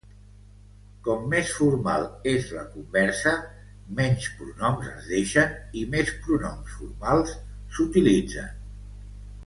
Com més formal és la conversa, menys pronoms es deixen i més pronoms formals s'utilitzen.